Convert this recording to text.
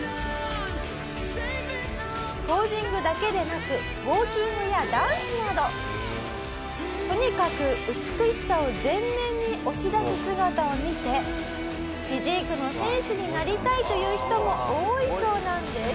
「ポージングだけでなくウォーキングやダンスなどとにかく美しさを全面に押し出す姿を見てフィジークの選手になりたいという人も多いそうなんです」